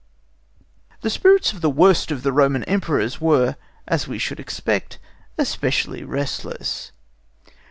The spirits of the worst of the Roman Emperors were, as we should expect, especially restless.